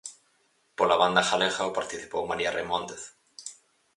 Pola banda galega o participou María Reimóndez.